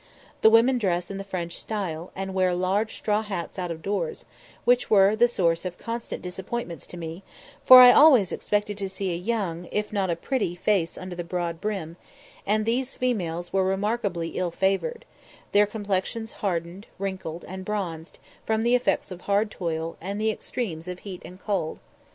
The women dress in the French style, and wear large straw hats out of doors, which were the source of constant disappointments to me, for I always expected to see a young, if not a pretty, face under a broad brim, and these females were remarkably ill favoured; their complexions hardened, wrinkled, and bronzed, from the effects of hard toil, and the extremes of heat and cold.